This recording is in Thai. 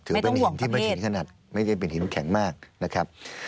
ถือเป็นหินที่ไม่ถึงขนาดไม่ได้เป็นหินแข็งมากนะครับ